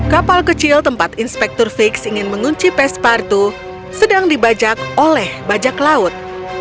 kapal kecil tempat inspektur fix ingin mengunci pespartu sedang dibajak oleh bajak laut